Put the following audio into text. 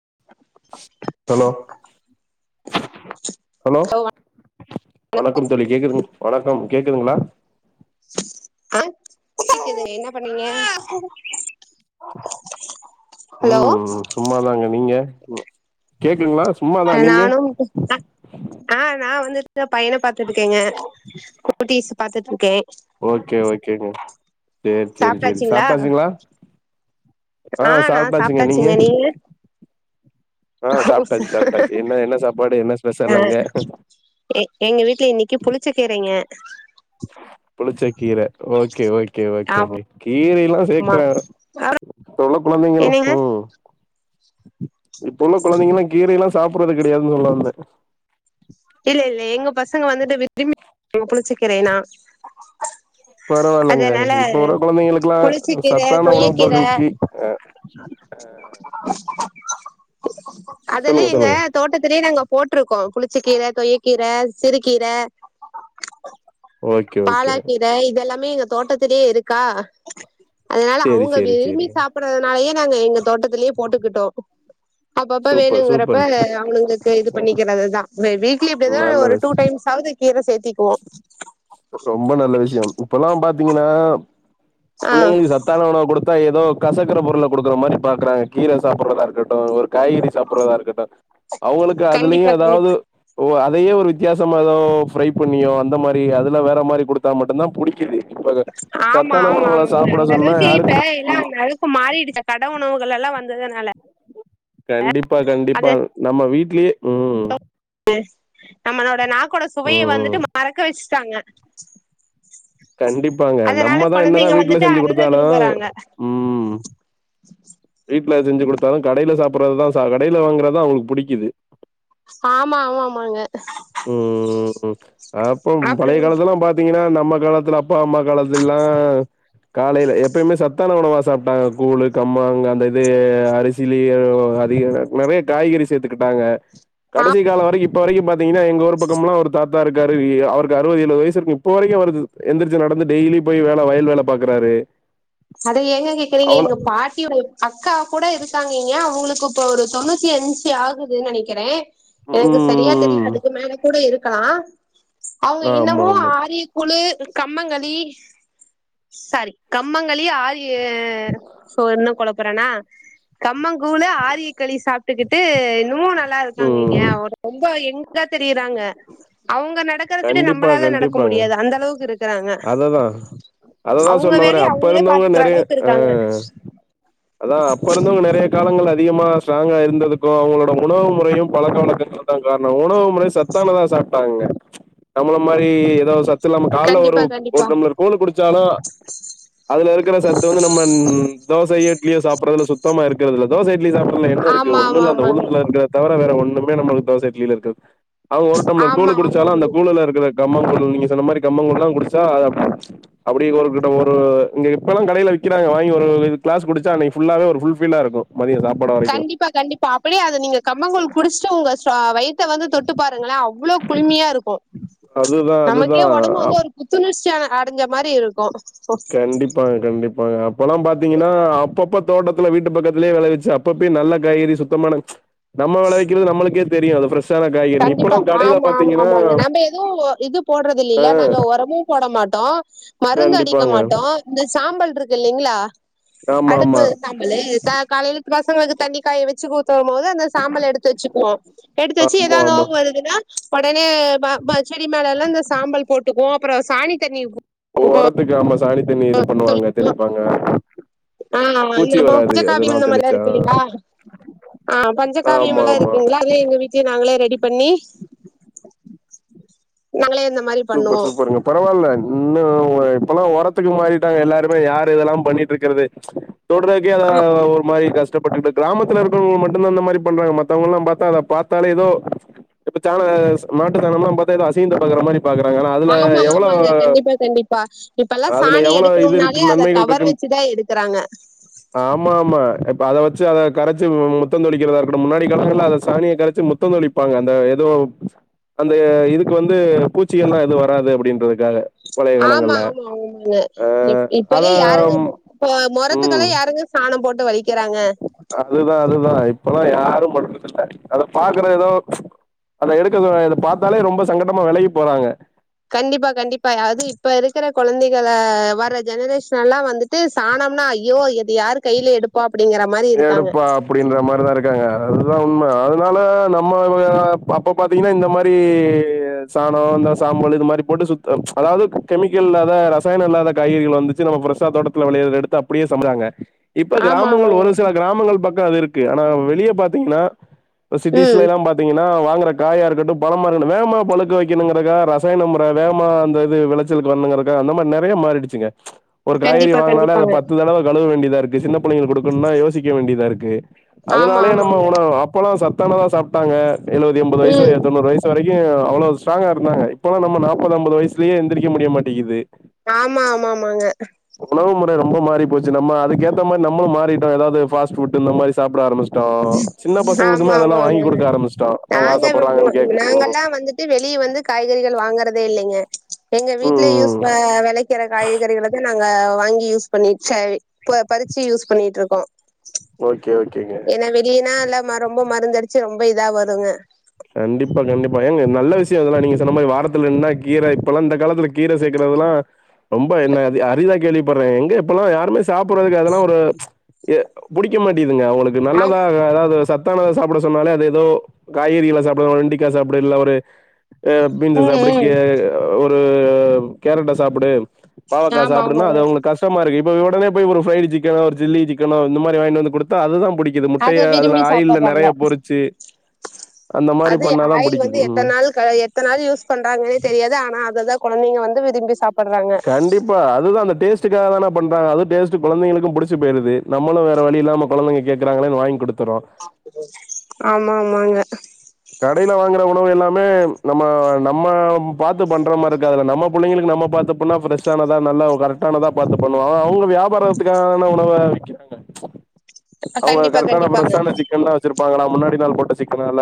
[inaudible] Hello hello வணக்கம் தோழி கேக்குதுங் வணக்கம் கேக்குதுங்களா ஆ கேக்குது என்ன பண்ணீங்க ஹலோ ம் சும்மாதாங்க நீங்க ம் கேக்குதுங்ளா சும்மாதா நீங்க [inaudible] ஆ நா வந்துட்டு பையன பாத்துட் இருக்கேங்க குட்டிஸ் பாத்துட்டு இருக்கே ஓகே ஓகேங்க சேர் சேரி சேரி சாப்ட்டாச்சுங்களா சாப்டாச்சிங்களா ஆ சாப்டாச்சிங்க நீங்க ஆ சாப்டாச்சு சாப்டாச்சு என்ன என்ன சாப்பாடு என்ன ஆ ஸ்பெஷல் அங்க எ எங்க வீட்ல இன்னைக்கி புளிச்ச கீரைங்க புளிச்ச கீர ஓகே ஓகே ஓகேங்க கீரைல்லா ஆமா சேர்க்கற இப்போ உள்ள கொழந்தைங்களு என்னங்க ம் இப்போ உள்ள கொழந்தைங்கல்லா கீரை எல்லா சாப்பிட்றது கெடையாதுன்னு சொல்ல வந்தே இல்ல இல்ல எங்க பசங்க வந்துட்டு விரும்பி [unintelligible] புளிச்சக் கீரையினா பெரவாயில்லங்க இப்ப வர கொழந்தைங்களுக்லா புளிச்சக்கீர சத்தான உணவு கொய்யக்கீர பொருள்கள் கீரைங்க அதெல்லா சொல்லுங்க எங்க சொல்லுங்க தோட்டத்திலே நாங்க போட்ருக்கோ புளிச்ச கீர தொயக்கீர சிறுகீர ஓகே ஓகே பாலாக்கீர இதெல்லாமே எங்க தோட்டத்திலயே இருக்கா அதனால சேரி அவங்க சேரி சேரி விரும்பி சாப் ட்றதனாலயே நாங்க எங்க தோட்டத்திலயே போட்டுக்கிட்டோ அப்பப்ப சூப்பர் வேணுங்கிறப்போ சூப்பர் அவனுங்களுக்கு இது பண்ணிக்கிறதுதா இந்த வீக்லி இப்டிதா நல்ல ஒரு விஷ் டூ டைம்ஸ் ஆவது கீர சேத்திக்குவோ ரொம்ப நல்ல விஷியம் இப்பெல்லா பாத்தீங்கன்னா ஆ பிள்ளைங்களுக்கு சத் தான உணவு குடுத்தா ஏதோ கசக்குற பொருள குடுக்கற மாரி பாக்றாங்க கீர சாப்ட்றதா இருக்கட்டு ஒரு காய்கறி சாப்ட்றதா இருக்கட்டு அவுங்களுக்கு அதுலயு கண்டிப்பா எதாவது கண்டிப்பா ஓ அதையே ஒரு வித்தியாசமா எதோ ஃப்ரை பண்ணியோ அந்த மாரி அதுல வேற மாரி குடுத்தா மட்டுந்தா புடிக் கிது இப்ப அத சத்தான உணவுகள சாப்ட சொன்னா யாருக் மே இல்லாமல் இப்ப மாறிடுச்சே கடை உணவுகள் எல்லா வந்ததுனால கண்டிப்பா அது கண்டிப்பா நம்ம வீட்லயே ம் எஸ் நம்மளோட நாக்கோட சுவைய ம் ம் வந்துட்டு மறக்க வச்சுட்டாங்க கண்டிப்பாங்க. அதனால நம்ம தான் கொழந்தைங்க என்னதான் வீட்ல வந்துட்டு செஞ்சு அததா குடுத்தாலும் விரும்புறாங்க ம். வீட்ல செஞ்சி குடுத்தாலு கடைல சாப்புடறதுதா சா கடைல வாங்குறதா அவுங்களுக்கு புடிக்குது ஆமா ஆமா ஆமாங்க ம் ம் ம் அப்பம் அப்புறோ பழைய காலத்தெல்லா பாத் தீங்கன்னா நம்ம காலத்துல அப்பா அம்மா காலத்துலல்லா காலேல எப்பயுமே சத்தான உணவா சாப்ட்டாங்க கூழ் கம்மாங் அந்த இது அரிசி திலயு அதிகமா நெறய காய்கறி சேத்துக்கிட்டாங்க ஆ கடைசி கால வரைக்கு இப்ப வரைக்கு பாத்தீங்கன்னா எங்க ஊரு பக்கம்லா ஒரு தாத் தா இருக்காரு அவருக்கு அறுபது ஏழுபது வயசு இருக்கு இப்போ வரைக்கு அவருக்கு எந்திரிச்சு நடந்து டெய்லி போய் வேல வயல் வேல பாக்குறாரு அத ஏங்க கேக்குறீங்க எங்க பாட் டியோட அக்கா கூட இருக்காங்க ஏ அவுங்களுக்கு இப்ப ஒரு தொண்ணூத்தி அஞ்சி ஆகுதுன் நெனக்கிறே எனக்கு சரியா ம். தெரியல அதுக்கு மேல கூட இருக்கலா அவுங்க ஆமா இன்னமு ஆமா ஆரிய கூழ் கம்மங்களி சாரி கம்மங்களி ஆரி ய சோ இன்னு கொழப்புறேனா கம்மங்கூழ் ஆரியக்களி சாப்ட்டுக்கிட்டு இன்னமு நல்லா இருக்காங்க இங்க ம் ஒரு ரொம்ப எங்கா தெரியுறாங்க அவுங்க நடக்குறதுக்கு கண்டிப்பா நம்மளால நடக்க கண்டிப்பாங்க முடியாது அந்த அளவுக்கு இருக் குறாங்க அததா அததா அவுங்க சொல்ல வரே வேலைய அப்ப அவுங்களே இருந்தவங்க பாத்துக்குற நெறைய அளவுக்கு ஆ இருக்காங்க அதா அப்ப இருந்தவங்க நெறய காலங்கள்ல அதிகமா ஸ்டராங்கா இருந்ததுக்கு அவுங்களோட உணவு முறையு பழக்க வழக்கங்கள் தா காரணோ உணவு முறை சத் சத்தானதா சாப்ட்டாங்கங்க நம்மள மாரி ஏதாவது சத்து இல்லாம கால்ல ஒரு கண்டிப்பா கண்டிப்பா ஒரு டம்ளர் கூழ் குடிச்சாலு அதுல இருக்குற சத்து வந்து நம்ம தோசை இட்லியோ சாப்ட்றதுல சுத்தமா இருக்கறதுல்ல தோச இட்லி சாப்ட்றதுல என்ன இருக்கு ஆமா ஒண்ணு ஆமா இல்ல அந்த ஆமாங்க உழுந்துல இருக்க தவர வேற ஒண்ணுமே நமக்கு தோச இட்லில இருக்காது அவுங்க ஒரு ஆமா டம்ளர் ஆமா குடிச்சாலு அந்த ஆமாங்க. கூழுல இருக்குற கம்மங்கூழ் நீங்க சொன்ன மாரி கம்மங்கூழ்லா குடிச்சா அப்டி ஒரு கட ஒரு இங்க இப்பெல்லா கடைல விக்கிறாங்க வாங்கி ஒரு இ கிளாஸ் குடிச் சா அன்னக்கி ஃபுல்லாவே ஒரு ஃபுல் ஃபில்லா இருக்கு மதியோ சாப்பாடோ கண்டிப்பா கண்டிப்பா அப்டியே அத நீங்க கம்மங்கூழ் குடிச்சிட்டு உங்க ச வயி த்த வந்து தொட்டு பாருங்களே அவ்ளோ குளிமையா இருக்கு அதுதான் நமக்கே உடம்பு அதுதான் வந்து ஒரு புத்துணர்ச்சியான அடஞ்ச மாரி இருக்கு கண்டிப்பாங்க கண்டிப்பாங்க அப்போலா பாத்திங்கன்னா அப்பப்போ தோட்டத்துல வீட்டு பக்கத்திலே வெளைவிச்சு அப் பப்பெய் நல்ல காய்கறி சுத்தமான நம்ம விளைவிக்கிறது நம்மளுக்கே தெரியு அது ஃபிரஷ் கண்டிப்பா ஆமா ஆமா ஆமாங்க நம்ப எது இது போடுறது ஆ இல்லெல்ல நாங்க ஒரமு போட மாட்டோ மருந்து அடிக்க கண்டிப்பாங்க. மாட்டோ இந்த சாம்பல் இருக்கு இல்லைங்களா அடுப்பு ஆமாமா. சாம்பலு ச காலைல பசங்களுக்கு தண்ணி காய வெச்சு [unintelligible] போது அந்த சாம்பல எடுத்து வச்சுக்குவோ எடு ச்சி ஆமா, ஆமா. [unintelligible] வருதுன்னா ஒடனே ப ப செடி மேலல்லா இந்த சாம்பல் போட்டுக்குவோ அப்பறொ சாணி தண்ணி ஒரத்துக்கு ஆமா சாணி தண்ணி இது பண்ணுவாங்க தெளிப்பாங்க ஆ பூச்சி வராது அதெல்லாம் [unintelligible] தெளிச்சா. இருக்கு இல்லெங்ளா ஆ பஞ்சக்காவியம் எல்லா ஆமாமா. இருக்குங்ளா அதயு எங்க வீட்லய் நாங்களே ரெடி பண்ணி நாங்களே மாரி சூப்பர் பண்ணுவோ சூப்பர்ங்க பரவால்ல இன்னு இப்பலா ஒரத்துக்கு மாறிட்டாங்க எல்லாருமே யார் இதெலா பண்ணிட் இருக்குறது தொடுறக்கே [unintelligible] ஒரு மாரி கஷ் டப்பட்டுட் கிராமத்துல இருக்கவுங்க மட்டுந்தா அந்த மாரி பண்றாங்க மத்தவுங்கல்லா பாத்தா அத பாத்தாலே எதோ இப்ப சண மாட்டு சாணம்ல்லா பாத்தா ஏதோ அசிங்கத்த பாக்குற மாரி பாக்குறாங்க ஆனா அதுல எவ்வளவு பா இப்பெல்லா சாணி இது எடுக்கணும்னாலே இருக்கு அத நன்மைகள் கவர் இருக்குன் வெச்சுதா எடுக்குறாங்க ஆமா ஆமா இப்ப அத வச்சு அத கரச்சு முத்தந் தொளிக்கிறதா இருக்கட்டு முன்னாடி காலங்கள்ல அத சாணிய கரச்சு முத் முத்தந் தொளிப்பாங்க அந்த எதோ அந்த இதுக்கு வந்து பூச்சிகல்லா எதுவு வராது அப்டின்றதுக்காக பழைய ஆமா காலங்கள்ல ஆமா உண்ம ஆ இப்பதே அதா யாருங்க மொரத்துக்கெல்லா ம் யாருங்க சாணம் போட்டு வைக்கிறாங்க அதுதா அதுதா இப்பல்லா யாரு [inaudible] அத பாக்குற எதோ அத எடுக்க [unintelligible] பாத்தாலே ரொம்ப சங்கடம வெலகி போறாங்க கண்டிப்பா கண்டிப்பா அது இப்ப இருக்குற கொழந்தைகள வர்ர ஜெனரேஷன் எல்லா வந்துட் டு சாணம்னா ஐயோ இது யாரு கைல எடு ப்பா அப்புடிங்கிற மாரி இருக்காங்க எடுப்பா அப்டின்ற மாரிதா இருக்காங்க அதுதா உண்ம அதுனால நம்ம அப்ப பாத் தீங்கன்னா இந்த மாரி சாணொ இந்த சாம்பல் இது மாரி போட்டு சுத்த அதாவ்து கெமிக்கல் இல்லாத ரசாயனொ இல்லாத காய்கறிகள் வந்துச்சு நம்ம ஃப்ரெஷ்ஷா தோட்டத்துல வெளையுறத எடுத்து அப்டியே சமச்சாங்க இப்ப ஆமா கிராமங்கள் ஆமாங்க ஒரு சில கிராமங்கள் பக்கொ அது இருக்கு ஆனா வெளியே பாத்திங்கன்னா ம் சிட்டீஸ்ல எல்லா பாத் திங்கனா வாங்குற காயா இருக்கட்டு பழமா இருக்கடு வேமா பழுக்க வக்கெணுங்கிறக்கா ரசாயன முற வேகமா அந்த இது விளச் ச்சலுக்கு வரணுங்கிறக்காக அந்த மாரி நெறைய மாறிடுச்சுங்க ஒரு காய்கறி கண்டிப்பா வாங்குனாலே அத கண்டிப்பாங்க பத்து தடவ கழுவ வேண்டியதா இருக்கு சின்ன புள்ளைங்கள்க் குடுக்கணுனா யோசிக்க வேண்டியதா இருக்கு ஆமா அதனாலே நம்ம ஆமாங்க உன அப் அப்பலா சத்தானதா சாப்ட்டாங்க எழுவது ம் எம்பதுவயசு தொண்ணறு வயசு சு வரைக்கு அவ்வளோ ஸ்ட்ராங்கா இருந்தாங்க இப்பல்லா நம்ம நாப்பது அம்பது வயசுலயே எந்திரிக்க முடிய மாட்டெங்கிது ஆமா ஆமா ஆமாங்க உணவு முறை ரொம்ப மாறி போச்சு நம்ம அதுக்கு ஏத்த மாரி நம்மலு மாறிட்டோ எதாவ்து ஃபாஸ்ட் ஃபுட்டு இந்த மாரி சாப்ட ஆரம்பிச் சுட்டோ சின்ன ஆமா பசங்களுக்குமே ஆமா அதெல்லா ஆமா வாங்கி குடுக்க ஆரம்பிச்ட்டோ அவுங்க நாங்க ஆசப்படுறாங்கன்னு கேக்குடு ம் நாங்கல்லாம் வந்துட்டு வெளிய வந்து காய்கறிகள் வாங்குறதே இல்லெங்கெ எங்க வீடலே யூஸ் ம் அ வெளக் விக்கிற காய்கறிகளதா நாங்க வாங்கி யூஸ் பண்ணி சாரி பறிச்சு யூஸ் பண்ணிட்ருக்கோ ஓகே ஓகேங்க ஏன்னா வெளியனா இல்ல ரொம்ப மருந்துதடிச்சு ரொம்ப இதா வருங்க கண்டிப்பா கண்டிப்பா ஏங்க நல்ல விஷய இதெல்லா நீங்க சொன்ன மாரி வாரத்துல ரெண்டுனா கீரை இப்பெல்லா இந்த காலத்து கீரை சேக்கிறதுலா ரொம்ப என்ன அது அரிதா கேள்விப்படுறே எங்க இப்பல்லா யாருமே சாப்பிற்து கெடது அதெல்லா ஒரு எ புடிக்க மாட்டேதுங்க அவுங்களுக்கு ஆ நல்லதா அதாவது சத்தானத சாப்பிட சொன்னாலே அது ஏதோ காய்கறிகள சாப்டனு வெண்டிக்கா சாப்டு இல்ல ஒரு பின்ஸ் ம் சாபுடு கே ம் ஒரு கேரட்ட சாப்புடு பாவக்காய் ஆமா சாப்புடுனா அது ஆமாங்க அவுங்களுக் கஷ் டமாருக்கு இப்ப உடனே போய் ஒரு பிரை சிக்கன ஒரு சில்லி சிக்கனோ இந்த மாரி வாங்கிட்டு வந்து குடுத் தா அதுதா பிடிக்குது அத முட்டயா அதுல விரும்பி ஆயில்ல சாப்பட்றாங்க நெறையா பொறிச்சு அந்த மாரி அது பண்ணாதா ஆயுள் வந்து புடிக்குது ம் எத்தன் நாள் க எத்த நாள் யூஸ் பண்றாங்கன்னே தெரியாது ஆனா அததா குழந்தைங்க வந்து விரும்பி சாப் கண்டிப் பா அதுதா அந்த டேஸ்டுக்காக தான பண்றாங்க அந்த டேஸ்டு குந்தைகளுக்கு புடிச்சு போயிருது நம்மளும் வேற வழி இல்லாம குழந்தைங்க கேக்குறாங்களேன் வாங்கி குடுத்துரோ ஆமா ஆமாங்க கடையில வாங்குற உணவு எல்லாமே நம்ம நம்ம பாத்து பண்ற மாரிக்காதுல நம்ம புள்ளைங்களுக்கு நம்ம பாத்து பன்னா பிரெஷ்ஷானதா நல்ல கரெக்டானதா பாத்து பண்ணுவோ அவுங்க வியாபாரத்துக்காக தான உணவ விக்கறாங்க அவுங்க கண்டிப்பா கரெக்டான கண்டிப்பாங்க பிரஷ்ஷான சிக்கன் தா வச்சிர்ப்பாங்களா முன்னாடி நாள் போட்ட சிக்கனால